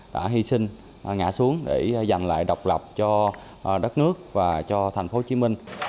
đã hy sinh ngã xuống để giành lại độc lập cho đất nước và cho thành phố hồ chí minh